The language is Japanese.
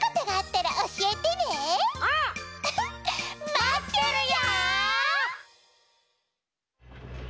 まってるよ！